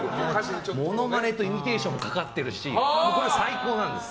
モノマネとイミテーションもかかってるし最高なんです！